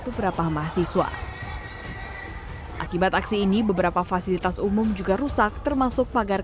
beberapa mahasiswa akibat aksi ini beberapa fasilitas umum juga rusak termasuk pagar